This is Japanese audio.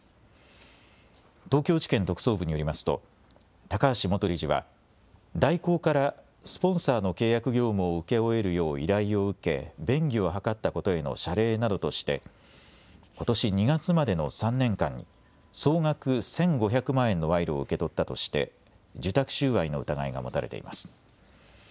東京地検特捜部によりますと高橋元理事は大広からスポンサーの契約業務を請け負えるよう依頼を受け便宜を図ったことへの謝礼などとしてことし２月までの３年間に総額１５００万円の賄賂を受け取ったとして受託収賄の疑いが持たれています。